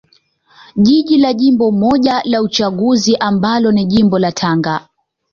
Jiji lina jimbo moja la uchaguzi ambalo ni jimbo la Tanga